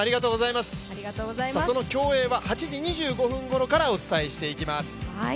その競泳は８時２５分ごろからお伝えしてまいります。